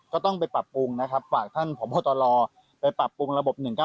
ก็ต้องไปปรับปรุงนะครับฝากท่านพบตรไปปรับปรุงระบบ๑๙